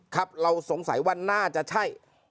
ครับเราสงสัยว่าน่าจะใช่